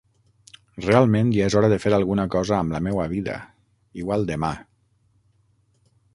Realment ja és hora de fer alguna cosa amb la meua vida, igual demà.